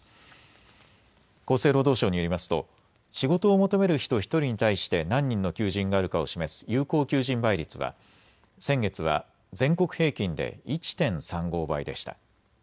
厚生労働省によりますと仕事を求める人１人に対して何人の求人があるかを示す有効求人倍率は先月は全国平均で１．３５倍でした。